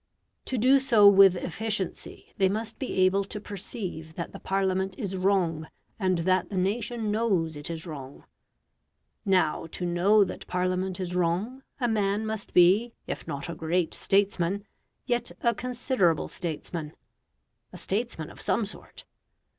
To do so with efficiency they must be able to perceive that the Parliament is wrong, and that the nation knows it is wrong. Now to know that Parliament is wrong, a man must be, if not a great statesman, yet a considerable statesman a statesman of some sort.